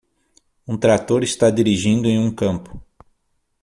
Um trator está dirigindo em um campo.